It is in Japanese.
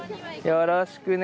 よろしくね。